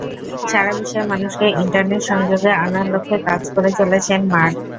সারা বিশ্বের মানুষকে ইন্টারনেট সংযোগে আনার লক্ষ্যে কাজ করে চলেছেন মার্ক।